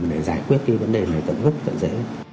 để giải quyết cái vấn đề này tận hức tận dễ